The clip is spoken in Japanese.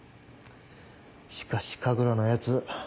しかし神楽のヤツ